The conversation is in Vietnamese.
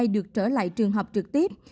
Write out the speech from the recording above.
được trở lại trường học trực tiếp